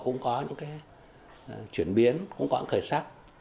cũng có những chuyển biến cũng có những khởi sắc